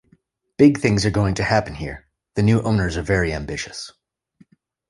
Big things are going to happen here - the new owners are very ambitious.